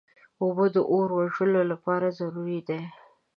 اوبه د اور وژلو لپاره ضروري دي.